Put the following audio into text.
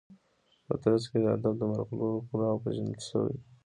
په ترڅ کي د ادب د مرغلرو پوره او پیژندل شوي